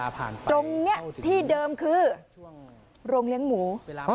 ตรงนี้ที่เดิมคือโรงเลี้ยงหมู